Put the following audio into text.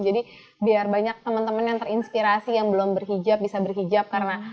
jadi biar banyak teman teman yang terinspirasi yang belum berhijab bisa berhijab karena